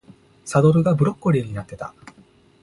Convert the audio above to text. サドルがブロッコリーになってた